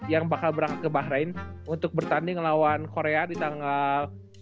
yang bakal berangkat ke bahrain untuk bertanding lawan korea di tanggal